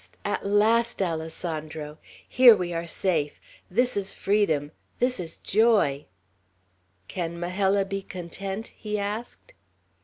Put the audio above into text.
at last, Alessandro! Here we are safe! This is freedom! This is joy!" "Can Majella be content?" he asked.